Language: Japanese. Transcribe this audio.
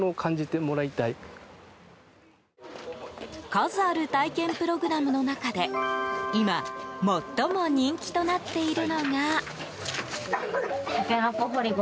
数ある体験プログラムの中で今、最も人気となっているのが。